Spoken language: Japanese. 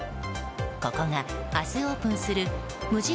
ここが明日、オープンする無印